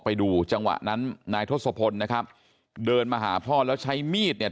ไปดูจังหวะนั้นนายทศพลนะครับเดินมาหาพ่อแล้วใช้มีดเนี่ย